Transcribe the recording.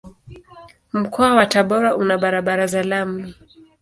Mkoa wa Tabora una barabara za lami.